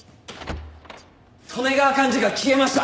利根川寛二が消えました！